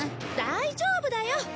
大丈夫だよ。